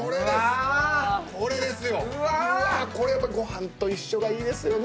これやっぱご飯と一緒がいいですよね。